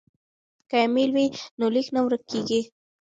که ایمیل وي نو لیک نه ورک کیږي.